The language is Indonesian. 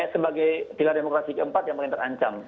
sebagai pilar demokrasi keempat yang paling terancam